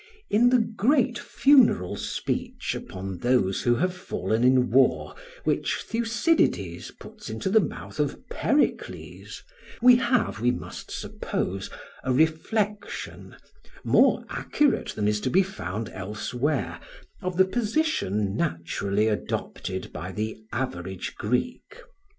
In the great funeral speech upon those who have fallen in war which Thucydides puts into the mouth of Pericles we have, we must suppose, a reflection, more accurate than is to be found elsewhere, of the position naturally adopted by the average Greek.